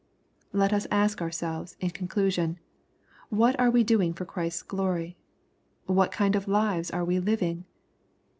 Let us ask ourselves, in conclusion. What we are doing for Christ's glory ? What kind of lives are we living